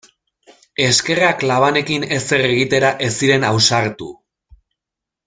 Eskerrak labanekin ezer egitera ez ziren ausartu.